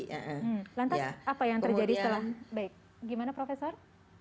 hmm lantas apa yang terjadi setelah baik gimana profesor